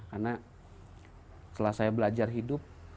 karena setelah saya belajar hidup